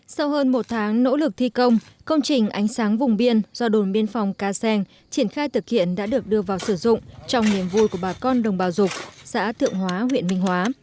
sau hơn một tháng nỗ lực thi công công trình ánh sáng vùng biên do đồn biên phòng ca xen triển khai thực hiện đã được đưa vào sử dụng trong niềm vui của bà con đồng bào dục xã thượng hóa huyện minh hóa